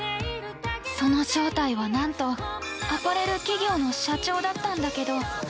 その正体は、何と、アパレル企業の社長だったんだけど。